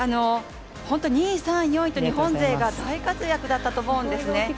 本当に２位、３位、４位と日本勢が大活躍だったと思うんですね。